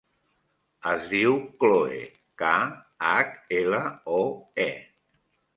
Es diu Khloe: ca, hac, ela, o, e.